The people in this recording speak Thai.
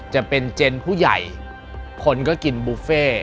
จะเป็นเจนผู้ใหญ่คนก็กินบุฟเฟ่